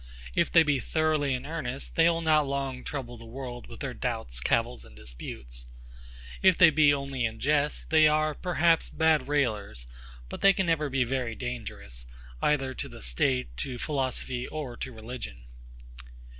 If they be thoroughly in earnest, they will not long trouble the world with their doubts, cavils, and disputes: If they be only in jest, they are, perhaps, bad raillers; but can never be very dangerous, either to the state, to philosophy, or to religion.